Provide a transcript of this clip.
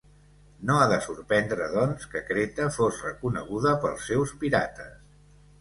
No ha de sorprendre, doncs, que Creta fos reconeguda pels seus pirates.